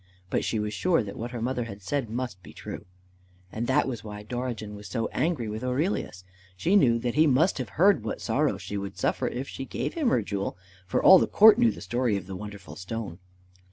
But she was sure that what her mother had said must be true. And that was why Dorigen was so angry with Aurelius. She knew that he must have heard what sorrow she would suffer if she gave him her jewel, for all the court knew the story of the wonderful stone.